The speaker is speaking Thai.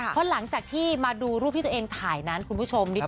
เพราะหลังจากที่มาดูรูปที่ตัวเองถ่ายนั้นคุณผู้ชม